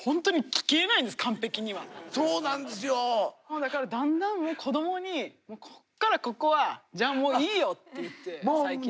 だからだんだん子供にこっからここはじゃあもういいよって言って最近は。